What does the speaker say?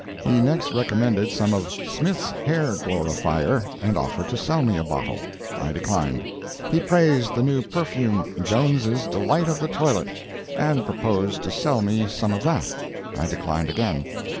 He next recommended some of "Smith's Hair Glorifier," and offered to sell me a bottle. I declined. He praised the new perfume, "Jones's Delight of the Toilet," and proposed to sell me some of that. I declined again.